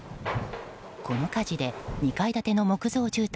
この火事で２階建ての木造住宅